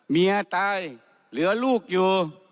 เมียตายเหลือลูกอยู่